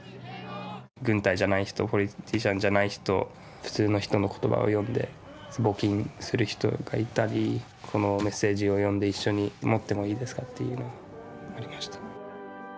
軍隊じゃない人ポリティシャンじゃない人普通の人の言葉を読んで募金する人がいたりこのメッセージを読んで一緒に持ってもいいですか？っていうようなありました。